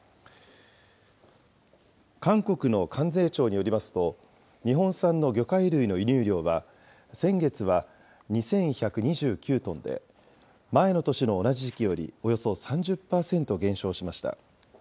韓国の関税庁によりますと、日本産の魚介類の輸入量は先月は２１２９トンで、前の年の同じ時期よりおよそ３０％減少しました。